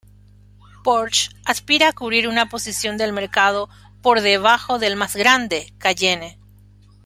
Porsche aspira a cubrir una posición del mercado por debajo del más grande Cayenne.